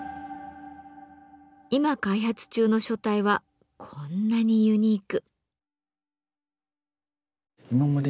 今開発中の書体はこんなにユニーク。